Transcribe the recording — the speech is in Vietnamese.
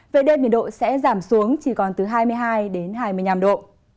về đêm nhiệt độ sẽ giảm xuống chỉ còn từ hai mươi hai đến hai mươi năm độ